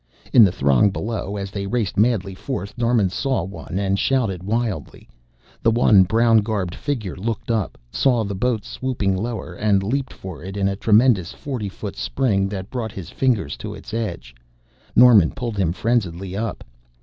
In the throng below as they raced madly forth Norman saw one, and shouted wildly. The one brown garbed figure looked up, saw their boat swooping lower, and leaped for it in a tremendous forty foot spring that brought his fingers to its edge. Norman pulled him frenziedly up.